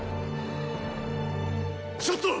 ちょっと！